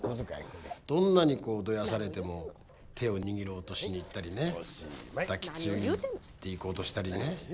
どんなにどやされても手を握ろうとしにいったりね抱きついていこうとしたりね。